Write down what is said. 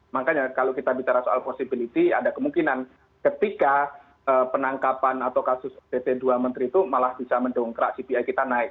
makanya kalau kita bicara soal possibility ada kemungkinan ketika penangkapan atau kasus bt dua menteri itu malah bisa mendongkrak cpi kita naik